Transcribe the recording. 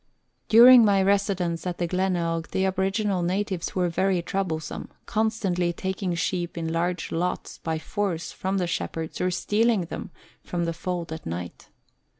During my residence at the Glenelg the aboriginal natives were very troublesome, constantly taking sheep in large lots by force from the shepherds or stealing them from the fold at night.